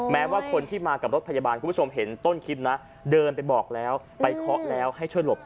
แม้ว่าคนที่มากับรถพยาบาลคุณผู้ชมเห็นต้นคลิปนะเดินไปบอกแล้วไปเคาะแล้วให้ช่วยหลบ